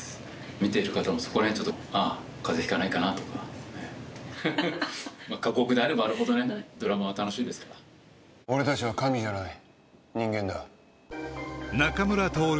見ている方もそこらへんあっ風邪ひかないかなとか過酷であればあるほどドラマは楽しいですから俺たちは神じゃない人間だ仲村トオル